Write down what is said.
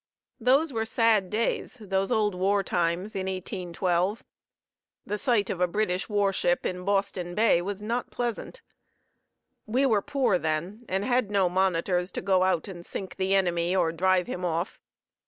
Those were sad days, those old war times in 1812. The sight of a British warship in Boston Bay was not pleasant. We were poor then, and had no monitors to go out and sink the enemy or drive him off.